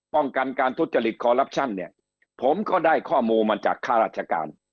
ป้องกันการทุจจฤษเนี่ยผมก็ได้ข้อมูลมันจากข้าราชการ